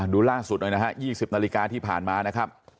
ดูล่าสุดหน่อยนะฮะ๒๐นาฬิกาที่ผ่านมานะครับ